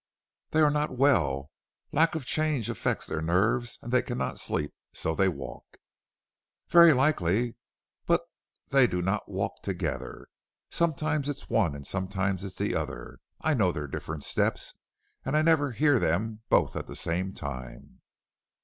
"They are not well; lack of change affects their nerves and they cannot sleep, so they walk." "Very likely, but they do not walk together. Sometimes it's one, and sometimes it's the other. I know their different steps, and I never hear them both at the same time."